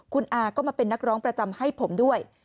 คุณอาก็มาเป็นนักร้องประจำให้ผมด้วย